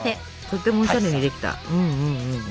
とってもおしゃれにできた。